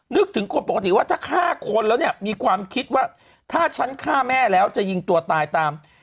นึกถึงคนปกติว่าถ้าฆ่าคนแล้วเนี่ยมีความคิดว่าถ้าฉันฆ่าแม่แล้วจะยิงตัวตายตาม